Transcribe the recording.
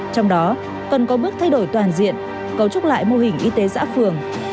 trong đó cần có bước thay đổi toàn diện cấu trúc lại mô hình y tế xã phường